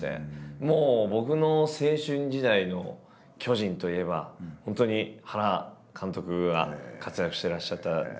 もう僕の青春時代の巨人といえば本当に原監督が活躍してらっしゃった時代ですので。